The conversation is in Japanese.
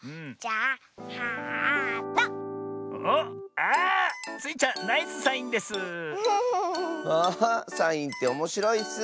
あサインっておもしろいッス。